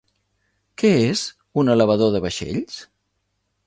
Què és un elevador de vaixells?